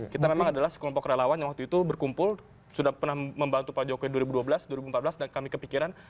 kita memang adalah sekelompok relawan yang waktu itu berkumpul sudah pernah membantu pak jokowi dua ribu dua belas dua ribu empat belas dan kami kepikiran